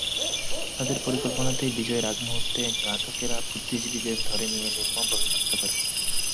তাদের পরিকল্পনাতেই বিজয়ের আগমুহূর্তে ঘাতকেরা বুদ্ধিজীবীদের ধরে নিয়ে নির্মমভাবে হত্যা করে।